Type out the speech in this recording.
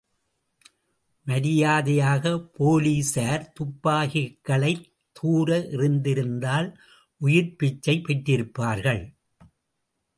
மரியாதையாகப் போலிஸார் துப்பாக்கிகளைத் துார எறிந்திருந்ததால், உயிர்ப் பிச்சை பெற்றிருப்பார்கள்.